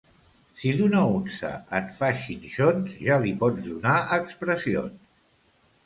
Si d'una unça en fa xinxons, ja li pots donar expressions.